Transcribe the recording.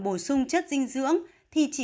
bổ sung chất dinh dưỡng thì chỉ